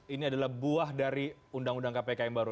ini adalah buah dari undang undang kpk yang baru